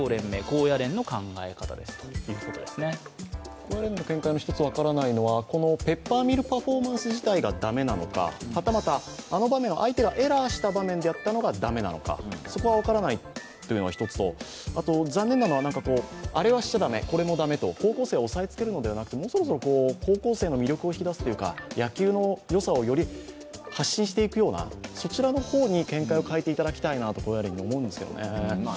高野連の見解の一つで分からないのが、ペッパーミルパフォーマンス自体が駄目なのか、はたまた相手がエラーした場面でやったのが駄目なのか、そこが分からないというのが１つと残念なのは、あれはしちゃだめ、これもだめと高校生を抑えつけるんじゃなくもうそろそろ高校生の魅力を引き出すというか野球のよさをより発信していくような、そちらの方に見解を変えていただきたいなと思うんですけどね。